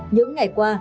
những ngày qua